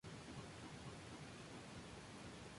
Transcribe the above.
En esa ocasión, los argivos derrotaron a los tebanos.